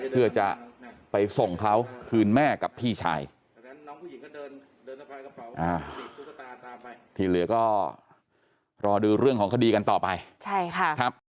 เพื่อจะไปส่งเขาคืนแม่กับพี่ชายที่เหลือก็รอดูเรื่องของคดีกันต่อไปใช่ค่ะครับ